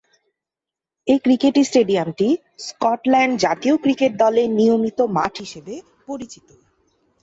এ cricket স্টেডিয়ামটি Scotland জাতীয় cricket দলের নিয়মিত মাঠ হিসেবে পরিচিত।